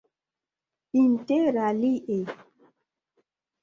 interalie